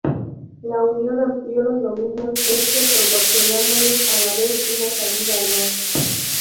La unión amplió los dominios Este, proporcionándoles a la vez una salida al mar.